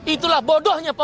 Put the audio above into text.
itulah bodohnya pembunuh